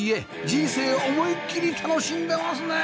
人生思いっきり楽しんでますね！